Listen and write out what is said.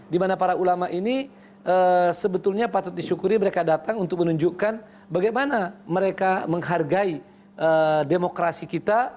dimana para ulama ini sebetulnya patut disyukuri mereka datang untuk menunjukkan bagaimana mereka menghargai demokrasi kita